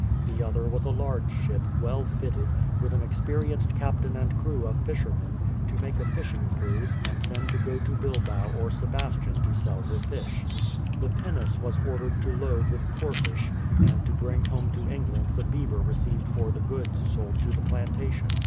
The other was a large ship, well fitted, with an experienced captain and crew of fishermen, to make a fishing cruise, and then to go to Bilbao or Sebas tian to sell her fish. The pinnace was ordered to load with corfish, and to bring home to England the beaver received for the goods sold to the plantation.